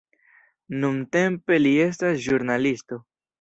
Nuntempe li estas ĵurnalisto.